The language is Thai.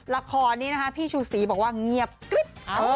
ละครนี้นะคะพี่ชูศรีบอกว่าเงียบกริ๊บ